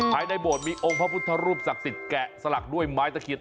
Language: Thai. ภายในโบสถมีองค์พระพุทธรูปศักดิ์สิทธิ์แกะสลักด้วยไม้ตะเคียน